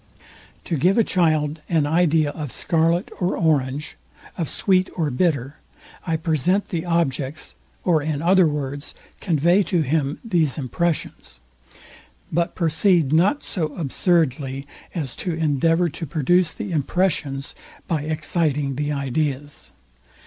To give a child an idea of scarlet or orange, of sweet or bitter, I present the objects, or in other words, convey to him these impressions; but proceed not so absurdly, as to endeavour to produce the impressions by exciting the ideas.